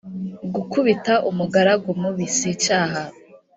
gukubita umugaragu mubi, sicyaha